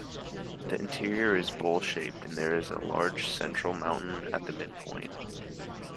The interior is bowl-shaped, and there is a large central mountain at the midpoint.